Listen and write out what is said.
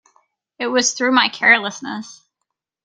It was through my carelessness.